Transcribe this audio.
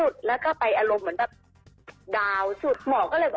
แต่ถ้าจุดยานอนหลับ